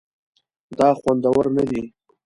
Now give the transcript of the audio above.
دا خوندور نه دي